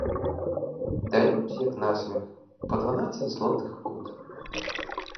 Даюць, як на смех, па дванаццаць злотых пуд.